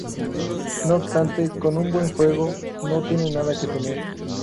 No obstante, con un buen juego, no tienen nada que temer.